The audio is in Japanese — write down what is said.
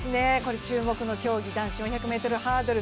注目の競技男子４００ｍハードル